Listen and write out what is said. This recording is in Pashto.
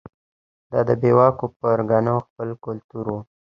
دا د بې واکو پرګنو خپل کلتور و.